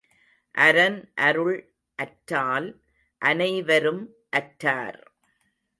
அரன் அருள் அற்றால் அனைவரும் அற்றார்.